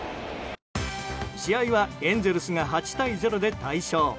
試合はエンゼルスが８対０で大勝。